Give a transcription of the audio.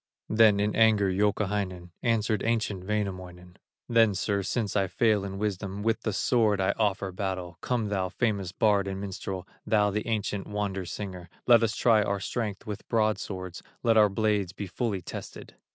Then in anger Youkahainen Answered ancient Wainamoinen: "Then, sir, since I fail in wisdom, With the sword I offer battle; Come thou, famous bard and minstrel, Thou the ancient wonder singer, Let us try our strength with broadswords, Let our blades be fully tested."